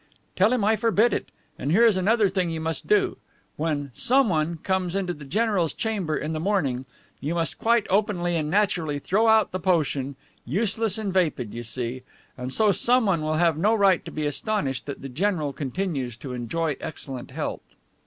"Tell him I forbid it. And here is another thing you must do. When Someone comes into the general's chamber, in the morning, you must quite openly and naturally throw out the potion, useless and vapid, you see, and so Someone will have no right to be astonished that the general continues to enjoy excellent health."